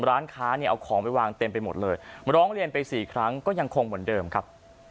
ร้านค้าเนี่ยเอาของไปวางเต็มไปหมดเลยร้องเรียนไปสี่ครั้งก็ยังคงเหมือนเดิมครับ